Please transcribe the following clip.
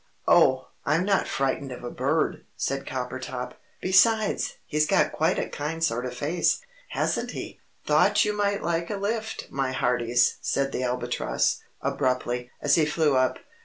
"Oh, I'M not frightened of a bird!" said Coppertop, "besides, he's got quite a kind sort of face, hasn't he?" "Thought you might like a lift, my hearties!" said the Albatross, abruptly, as he flew up.